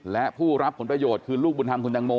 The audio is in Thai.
และผู้รับผลประโยชน์คือลูกบุญธรรมคุณตังโม